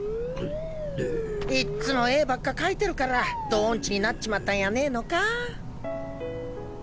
いっつも絵ばっか描いてるからド音痴になっちまったんやねえのか？